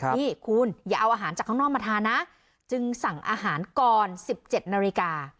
นี่คุณอย่าเอาอาหารจากข้างนอกมาทานนะจึงสั่งอาหารก่อน๑๗นาฬิกา